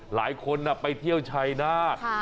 หลายคนไปเที่ยวชายนาฏ